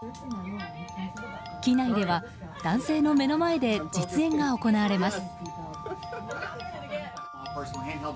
機内では男性の目の前で実演が行われます。